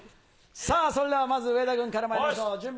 それでは、まず上田軍からまいりましょう。